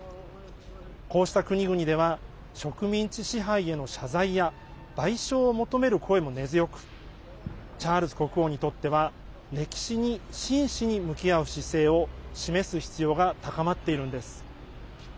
こうした国々では植民地支配への謝罪や賠償を求める声も根強くチャールズ国王にとっては歴史に真摯に向き合う姿勢を示す必要が高まっているんです。